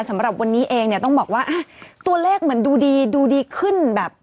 สำหรับวันนี้เองเนี่ยต้องบอกว่าตัวเลขเหมือนดูดีดูดีขึ้นแบบ